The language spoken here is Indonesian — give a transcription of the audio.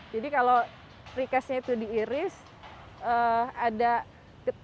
jadi kalau prikaisnya itu diiris maka itu itu berbeda maksudnya